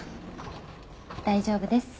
大丈夫です。